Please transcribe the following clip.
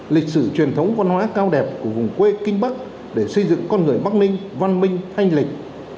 lịch sử truyền thống văn hóa cao đẹp của vùng quê kinh bắc để xây dựng con người bắc ninh văn minh thanh lịch